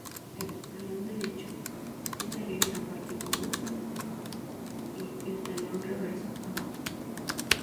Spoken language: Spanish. El "talón derecho" tiene arriba la parte convexa, y el "talón reverso" abajo.